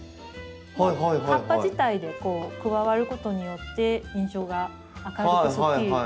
葉っぱ自体で加わることによって印象が明るくすっきり。